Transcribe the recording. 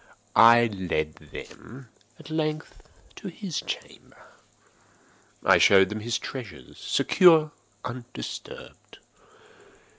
I led them, at length, to his chamber. I showed them his treasures, secure, undisturbed.